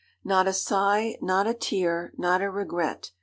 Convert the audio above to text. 'Not a sigh, not a tear, not a regret.